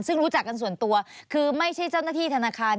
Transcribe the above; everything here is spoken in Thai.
ซึ่งรู้จักกันส่วนตัวคือไม่ใช่เจ้าหน้าที่ธนาคาร